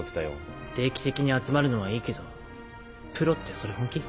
定期的に集まるのはいいけどプロってそれ本気？